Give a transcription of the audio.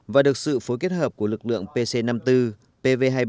và được sự phối kết hợp của lực lượng pc năm mươi bốn pv hai mươi bảy